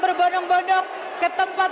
berbondong bondong ke tempat